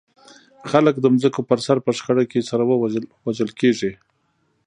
خلک د ځمکو پر سر په شخړه کې سره وژل کېږي.